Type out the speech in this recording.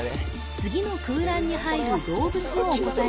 次の空欄に入る動物をお答え